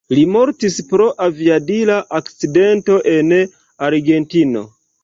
Li mortis pro aviadila akcidento en Argentino.